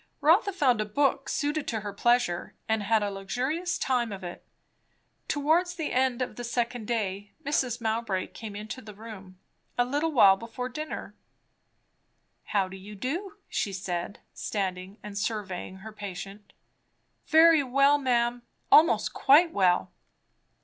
Rotha found a book suited to her pleasure, and had a luxurious time of it. Towards the end of the second day, Mrs. Mowbray came into the room; a little while before dinner. "How do you do?" she said, standing and surveying her patient. "Very well, ma'am; almost quite well."